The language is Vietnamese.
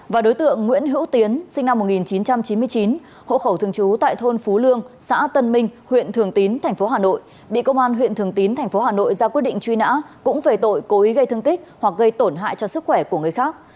và đối tượng nguyễn hữu tiến sinh năm một nghìn chín trăm chín mươi chín hộ khẩu thường trú tại thôn phú lương xã tân minh huyện thường tín tp hà nội bị công an huyện thường tín tp hà nội ra quyết định truy nã cũng về tội cố ý gây thương tích hoặc gây tổn hại cho sức khỏe của người khác